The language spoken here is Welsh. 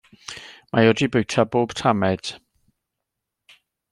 Mae o 'di bwyta pob tamaid.